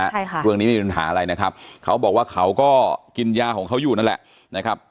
ใช่ค่ะเรื่องนี้ไม่มีปัญหาอะไรนะครับเขาบอกว่าเขาก็กินยาของเขาอยู่นั่นแหละนะครับ